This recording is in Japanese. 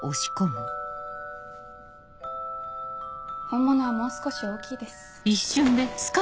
本物はもう少し大きいです。